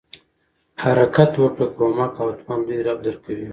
د حرکت وکړه، کومک او توان لوی رب ج درکوي.